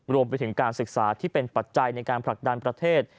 รวมไปถึงการศึกษาที่เป็นปัจจัยในการผลักดันประเทศ